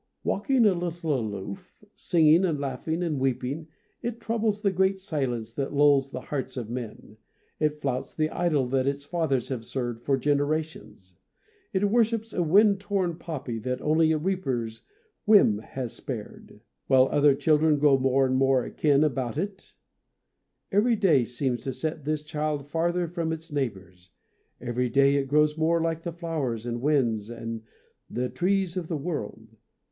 Walking a little aloof, singing and laughing and weeping, it troubles the great silence that lulls the hearts of men. It flouts the idol that its fathers have served for genera tions ; it worships a wind torn poppy that only a reaper's whim has spared. While other children grow more and more akin about it, every day seems to set this child farther from its neighbours, every day it grows more like the flowers and winds and the trees of the world.